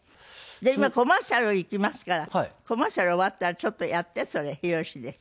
じゃあ今コマーシャルいきますからコマーシャル終わったらちょっとやってそれ「ヒロシです」。